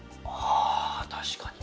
あ確かに。